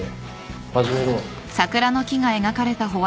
始めろ。